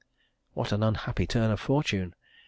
What an unhappy turn of fortune!